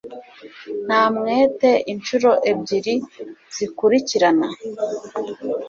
Ntamwete inshuro ebyiri zikurikirana